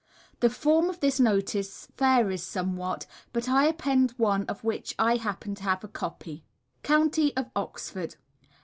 The form of this notice varies somewhat, but I append one of which I happen to have a copy. COUNTY OF OXFORD.